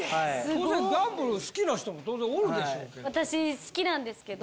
当然ギャンブル好きな人もおるでしょうけど。